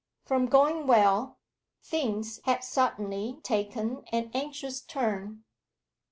From going well things had suddenly taken an anxious turn.